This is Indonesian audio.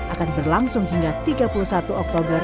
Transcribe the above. akan berlangsung hingga tiga puluh satu oktober dua ribu dua puluh dua